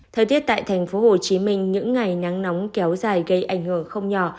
thời tiết tại tp hcm những ngày nắng nóng kéo dài gây ảnh hưởng không nhỏ